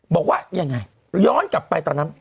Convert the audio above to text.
บอกว่ายังไงย้อนกลับไปตอนนั้น